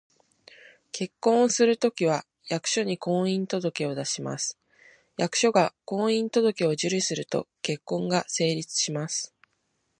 結婚をするときは、役所に「婚姻届」を出します。役所が「婚姻届」を受理すると、結婚が成立します